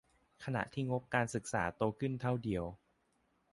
ขณะที่งบการศึกษาโตขึ้นแต่เท่าเดียว